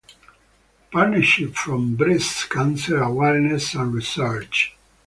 Partnership for Breast Cancer Awareness and Research.